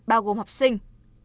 bao gồm học sinh